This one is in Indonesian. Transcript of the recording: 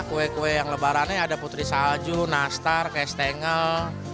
kue kue yang lebarannya ada putri salju nastar kestengel